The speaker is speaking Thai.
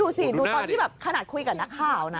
ดูสิดูตอนที่แบบขนาดคุยกับนักข่าวนะ